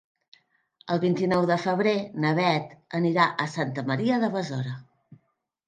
El vint-i-nou de febrer na Bet anirà a Santa Maria de Besora.